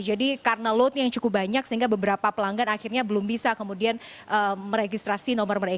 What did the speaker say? jadi karena load yang cukup banyak sehingga beberapa pelanggan akhirnya belum bisa kemudian meregistrasi